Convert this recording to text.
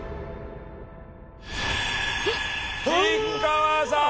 吉川さん！